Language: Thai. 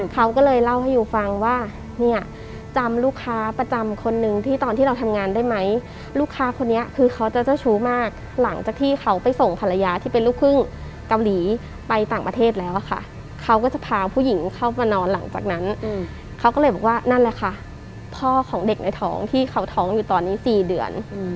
เขาก็เลยเล่าให้ยูฟังว่าเนี่ยจำลูกค้าประจำคนนึงที่ตอนที่เราทำงานได้ไหมลูกค้าคนนี้คือเขาจะเจ้าชู้มากหลังจากที่เขาไปส่งภรรยาที่เป็นลูกครึ่งเกาหลีไปต่างประเทศแล้วอะค่ะเขาก็จะพาผู้หญิงเข้ามานอนหลังจากนั้นเขาก็เลยบอกว่านั่นแหละค่ะพ่อของเด็กในท้องที่เขาท้องอยู่ตอนนี้๔เดือน